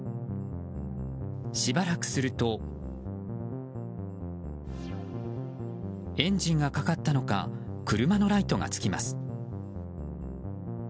しばらくするとエンジンがかかったのか車のライトがつきます。